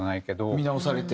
見直されて？